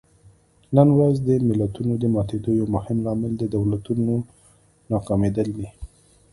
نن ورځ د ملتونو د ماتېدو یو مهم لامل د دولتونو ناکامېدل دي.